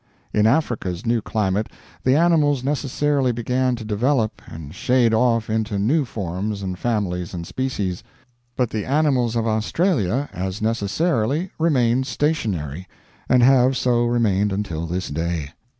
In Africa's new climate the animals necessarily began to develop and shade off into new forms and families and species, but the animals of Australia as necessarily remained stationary, and have so remained until this day.